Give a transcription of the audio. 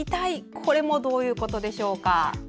これもどういうことでしょうか。